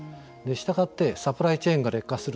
したがってサプライチェーンが劣化する。